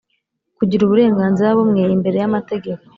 kugira uburenganzira bumwe imbere y'amategeko